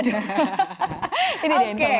ini dia informasinya